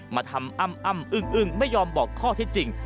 มาทำอ้ำอึ้งไม่ยอมบอกข้อที่จริง